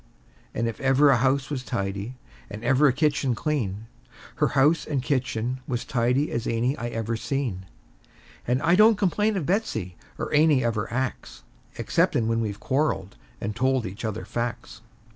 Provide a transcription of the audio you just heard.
And if ever a house was tidy, and ever a kitchen clean, Her house and kitchen was tidy as any I ever seen; And I don't complain of Betsey, or any of her acts, Exceptin' when we've quarreled, and told each other facts.